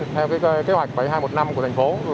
theo kế hoạch bảy nghìn hai trăm một mươi năm của thành phố